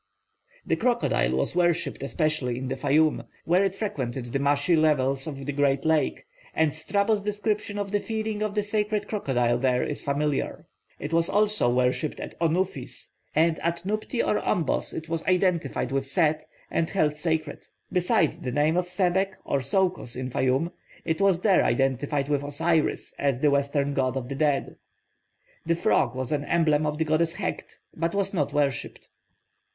The crocodile was worshipped especially in the Fayum, where it frequented the marshy levels of the great lake, and Strabo's description of the feeding of the sacred crocodile there is familiar. It was also worshipped at Onuphis; and at Nubti or Ombos it was identified with Set, and held sacred. Beside the name of Sebek or Soukhos in Fayum, it was there identified with Osiris as the western god of the dead. The frog was an emblem of the goddess Heqt, but was not worshipped.